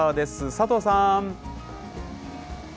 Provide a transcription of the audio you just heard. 佐藤さん。